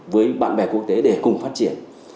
với bạn bè quốc tế để cùng phát triển